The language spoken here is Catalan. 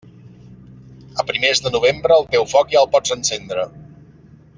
A primers de Novembre, el teu foc ja el pots encendre.